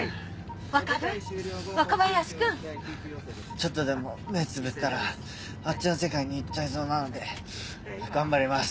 ちょっとでも目つぶったらあっちの世界に行っちゃいそうなので頑張ります。